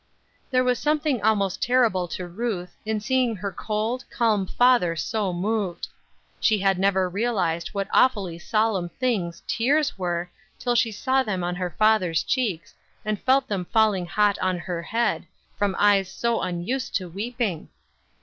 There was something almost terrible to Ruth, in seeing her cold, calm father so moved. She had never realized what awfully solemn things tears were till she saw them on her father's cheeks, and felt them falling hot on her head, from eyes so unused to weeping.